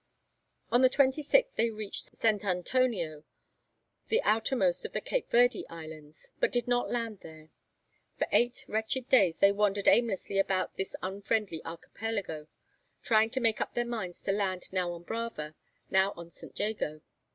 On the 26th they reached St. Antonio, the outermost of the Cape Verde Islands, but did not land there. For eight wretched days they wandered aimlessly about in this unfriendly archipelago, trying to make up their minds to land now on Brava, now on St. Jago.